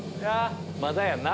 まだやんな？